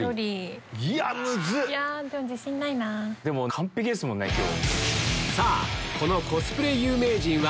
でも完璧ですもんね今日。